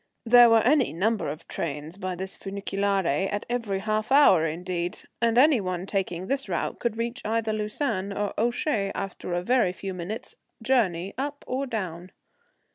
There were any number of trains by this funiculaire at every half hour indeed and any one taking this route could reach either Lausanne or Ouchy after a very few minutes' journey up or down.